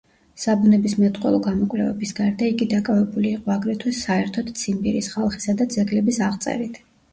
საბუნებისმეტყველო გამოკვლევების გარდა იგი დაკავებული იყო აგრეთვე საერთოდ ციმბირის ხალხისა და ძეგლების აღწერით.